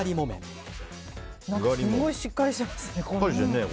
すごいしっかりしてますね。